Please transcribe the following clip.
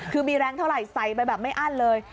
คือมีแรงเท่าไหร่ใส่ไปแบบไม่อั้นเลย